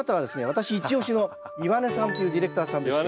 私イチ押しの岩根さんというディレクターさんでして。